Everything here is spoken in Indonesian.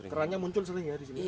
kerahnya muncul sering ya disini